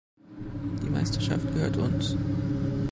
Die Meisterschaft gehört uns!